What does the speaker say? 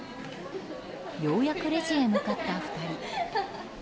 ようやくレジへ向かった２人。